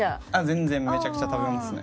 全然めちゃくちゃ食べますね。